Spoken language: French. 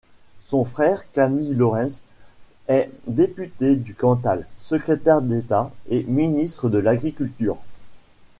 Son frère, Camille Laurens est député du Cantal, secrétaire d'État et ministre de l'agriculture.